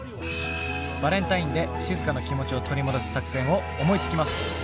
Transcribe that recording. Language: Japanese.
バレンタインでしずかの気持ちを取り戻す作戦を思いつきます！